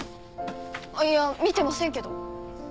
あっいや見てませんけど。